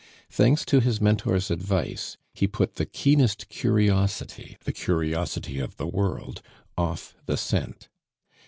Thanks to his Mentor's advice, he put the keenest curiosity the curiosity of the world off the scent.